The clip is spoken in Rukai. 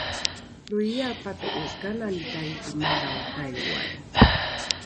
loiae pato’o kanani taiki madho taiwan?